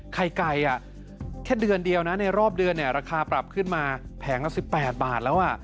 ไข่ไก่แค่เดือนเดียวนะในรอบเดือนราคาปรับขึ้นมาแผงละ๑๘บาทแล้ว